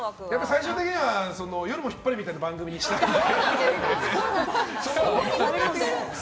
最終的には「夜もヒッパレ」みたいな番組にしたくて。